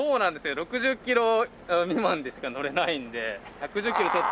６０キロ未満でしか乗れないんで１１０キロちょっと。